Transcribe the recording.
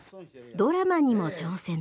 ドラマにも挑戦。